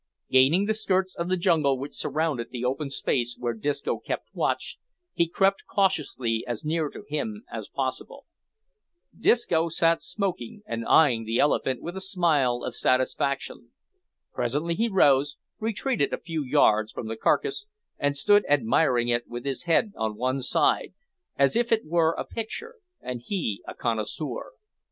Gaining the skirts of the jungle which surrounded the open space where Disco kept watch, he crept cautiously as near to him as possible. Disco still sat smoking and eyeing the elephant with a smile of satisfaction. Presently he rose, retreated a few yards from the carcase, and stood admiring it with his head on one side, as if it were a picture and he a connoisseur.